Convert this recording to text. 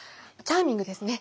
チャーミングですね。